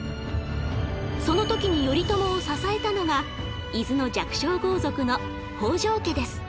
その時に頼朝を支えたのが伊豆の弱小豪族の北条家です。